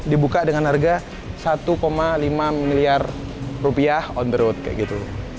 dibuka dengan harga satu lima miliar rupiah on the road kayak gitu